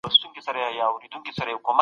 ځکه چې ښوونه ځانګړې ده نو پوهنه پراخه ده.